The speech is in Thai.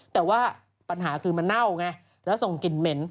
แต่ว่าปัญหาคือมันเน่าไงแล้วส่งกลิ่นเหม็น